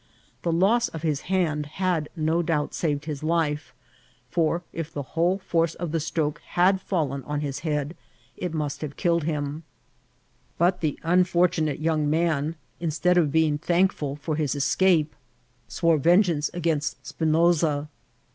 The loss of his hand had no doubt saved his life ; for, if the whole force of the stroke had fSedlen on his head, it must have killed him ; but the unfortunate young man, instead of being thank* S60 INCIDBNTt or TEATEL. fill for hiB escape, swore Tengeance against Spinosa.